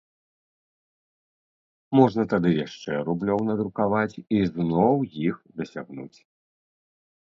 Можна тады яшчэ рублёў надрукаваць і зноў іх дасягнуць.